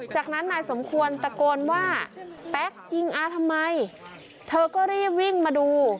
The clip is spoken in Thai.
จากนั้นนายสมควรตะโกนว่าแป๊กยิงอาทำไมเธอก็รีบวิ่งมาดู